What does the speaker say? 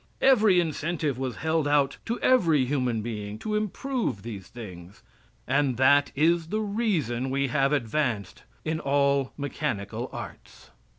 Every incentive was held out to every human being to improve these things, and that is the reason we have advanced in all mechanical arts.